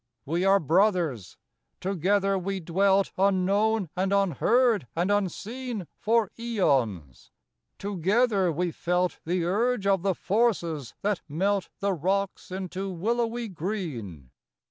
We are brothers : together we dwelt Unknown and unheard and unseen For aeons; together we felt The urge of the forces that melt The rocks into willowy^ green.